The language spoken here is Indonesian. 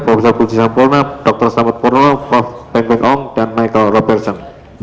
prof bujisa polna dr samud porno prof peng peng ong dan michael robertson